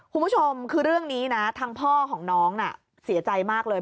คุณผู้ชมคือเรื่องนี้นะทางพ่อของน้องน่ะเสียใจมากเลย